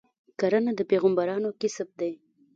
کرنه د پیغمبرانو کسب دی.